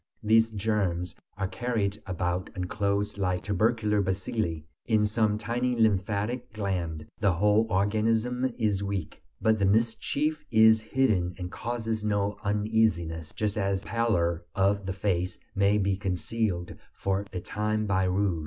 These germs are carried about enclosed like tubercular bacilli in some tiny lymphatic gland; the whole organism is weak. But the mischief is hidden and causes no uneasiness, just as the pallor of the face may be concealed for a time by rouge.